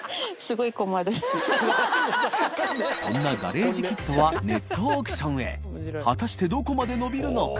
磴修鵑ガレージキットはネットオークションへ祺未燭靴どこまで伸びるのか？